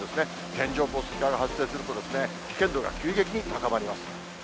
線状降水帯が発生すると、危険度が急激に高まります。